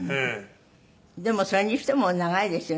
でもそれにしても長いですよね。